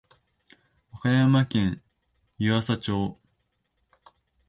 和歌山県湯浅町